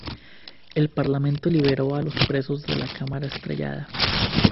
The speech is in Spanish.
El parlamento liberó a los presos de la Cámara estrellada.